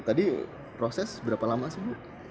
tadi proses berapa lama sih bu